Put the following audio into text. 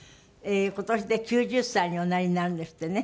今年で９０歳におなりになるんですってね。